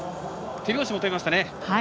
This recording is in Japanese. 手拍子、求めましたね。